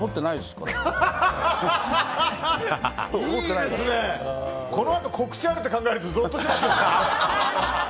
このあと告知あるって考えるとぞっとしますね。